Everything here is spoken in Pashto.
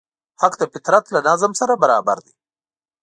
حق د فطرت له نظم سره برابر دی.